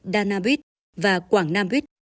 đa nam bít và quảng nam bít